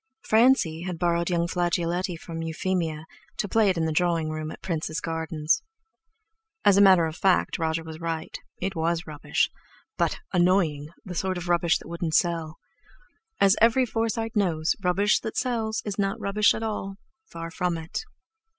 Francie had borrowed young Flageoletti from Euphemia, to play it in the drawing room at Prince's Gardens. As a matter of fact Roger was right. It was rubbish, but—annoying! the sort of rubbish that wouldn't sell. As every Forsyte knows, rubbish that sells is not rubbish at all—far from it.